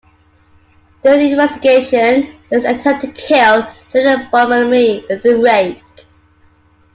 During the investigation there's an attempt to kill Jeannie Bonnamy with a rake.